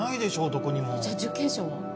どこにもじゃ受刑者は？